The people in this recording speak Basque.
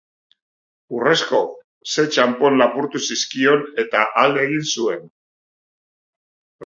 Urrezko se txanpon lapurtu zizkion eta alde egin zuen.